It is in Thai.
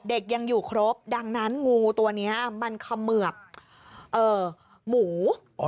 เด็กยังอยู่ครบดังนั้นงูตัวนี้มันเขมือบหมู